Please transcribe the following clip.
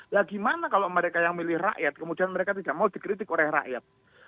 lah gimana kalau mereka yang milih rakyat kemudian mereka tidak mau dikritik oleh rakyat